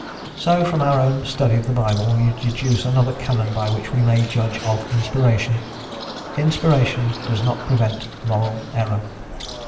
So, from our study of the Bible we deduce another canon by which we may judge of inspiration: "Inspiration does not prevent moral error."